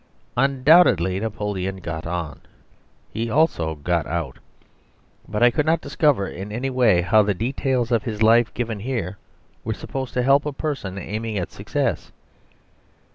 Undoubtedly Napoleon got on. He also got out. But I could not discover in any way how the details of his life given here were supposed to help a person aiming at success.